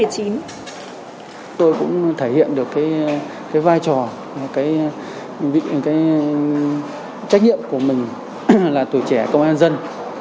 tôi cũng thể hiện được cái vai trò cái trách nhiệm của mình là tuổi trẻ công an dân